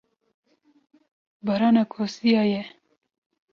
barana kosiya ye.